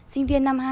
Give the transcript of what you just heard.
sinh viên năm hai